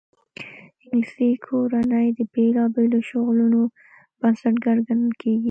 انګلیسي کورنۍ د بېلابېلو شغلونو بنسټګر ګڼل کېږي.